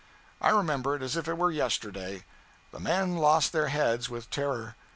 I remember it as if it were yesterday. The men lost their heads with terror.